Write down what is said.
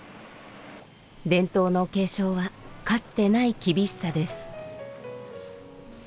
伝統の継承はかつてない厳しさです。